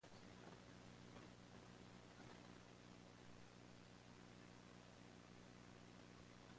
To describe the size of a lexicon, lexemes are grouped into lemmas.